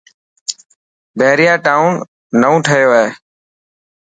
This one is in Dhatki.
بهريا ٽائون نئون ٺهيو هي.